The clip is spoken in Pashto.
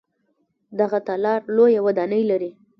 دغه تالار لویه ودانۍ لري.